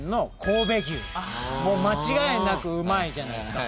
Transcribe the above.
間違いなくうまいじゃないっすか。